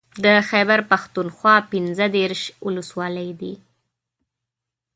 د خېبر پښتونخوا پنځه دېرش ولسوالۍ دي